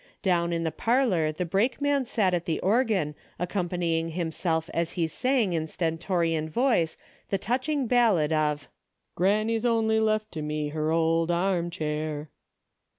Down in the parlor the brake man sat at the organ accom panying himself as he sang in stentorian voice the touching ballad of "Granny's only left to me her old armchair."